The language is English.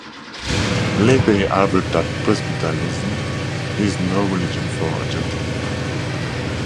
Later he averred that "Presbyterianism is no religion for a gentleman".